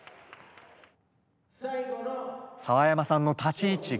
澤山さんの立ち位置が。